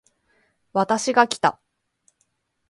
私がきた